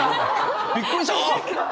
びっくりした！